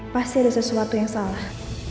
pasti ada sesuatu yang salah